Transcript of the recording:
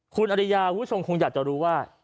คุณอริยาผู้ชมคงจะรู้ว่า